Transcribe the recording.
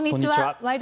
「ワイド！